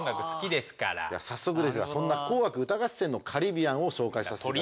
では早速ですがそんな「紅白歌合戦」のカリビアンを紹介させていただきたい。